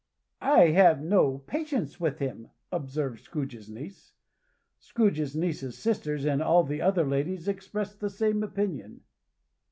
"I have no patience with him," observed Scrooge's niece. Scrooge's niece's sisters, and all the other ladies, expressed the same opinion.